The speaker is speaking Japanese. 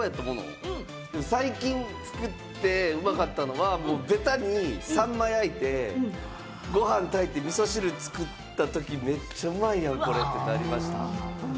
最近作ってうまかったんは、ベタにさんま焼いてご飯炊いてみそ汁作ったとき、めっちゃうまいやんこれ！ってなりました。